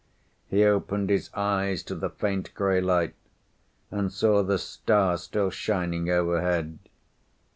He opened his eyes to the faint grey light, and saw the stars still shining overhead.